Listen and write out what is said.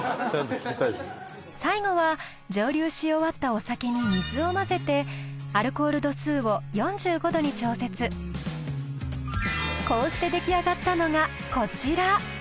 最後は蒸留し終わったお酒に水を混ぜてこうして出来上がったのがこちら。